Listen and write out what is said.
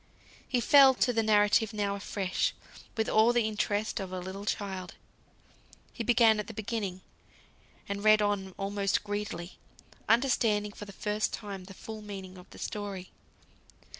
He fell to the narrative now afresh, with all the interest of a little child. He began at the beginning, and read on almost greedily, understanding for the first time the full meaning of the story.